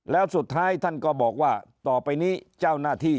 แล้วสุดท้ายท่านก็บอกว่าต่อไปนี้เจ้าหน้าที่